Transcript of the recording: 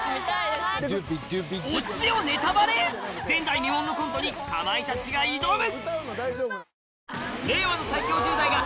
オチをネタバレ⁉前代未聞のコントにかまいたちが挑む！